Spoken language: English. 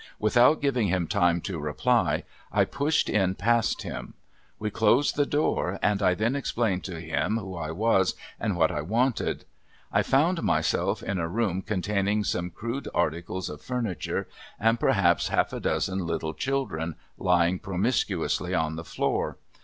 Without giving him time to reply I pushed in past him. We closed the door and I then explained to him who I was and what I wanted. I found myself in a room containing some crude articles of furniture and perhaps half a dozen little children lying promiscuously on the floor.